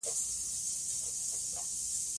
دی او زوی یې کلاب، مدینې ته کډه شول. او هلته اوسېدل.